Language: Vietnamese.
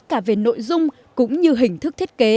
cả về nội dung cũng như hình thức thiết kế